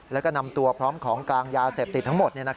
แล้วก็นำตัวพร้อมของกลางยาเสพติดทั้งหมด